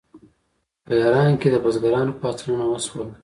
په ایران کې د بزګرانو پاڅونونه وشول.